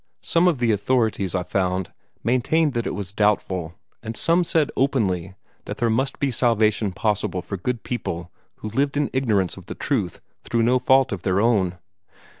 Some of the authorities, I found, maintained that it was doubtful, and some said openly that there must be salvation possible for good people who lived in ignorance of the truth through no fault of their own.